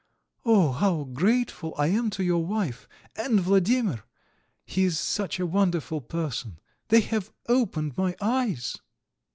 Oh, how grateful I am to your wife! And Vladimir! He is such a wonderful person! They have opened my eyes!"